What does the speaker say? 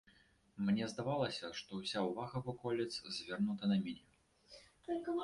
Мне здавалася, што ўся ўвага ваколіц звернута на мяне.